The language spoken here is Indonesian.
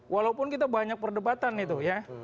walaupun kita banyak perdebatan itu ya